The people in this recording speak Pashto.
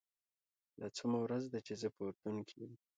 دا څوومه ورځ ده چې زه په اردن کې یم.